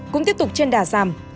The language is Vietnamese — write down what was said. cũng tiếp tục trên đà giảm